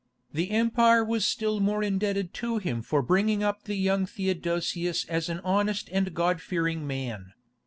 The empire was still more indebted to him for bringing up the young Theodosius as an honest and god fearing man.